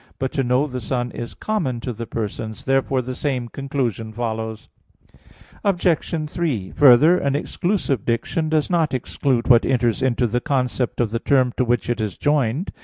But to know the Son is common (to the persons). Therefore the same conclusion follows. Obj. 3: Further, an exclusive diction does not exclude what enters into the concept of the term to which it is joined.